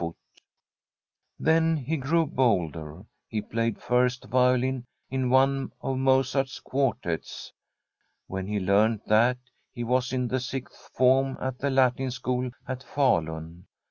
[123I From a SWEDISH HOMESTEAD Then he grew bolder. He played first violm in one of Mozart's quartettes. When he learnt that, he was in the Sixth Form at the Latin school at Falun.